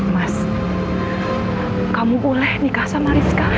mas kamu boleh nikah sama rizka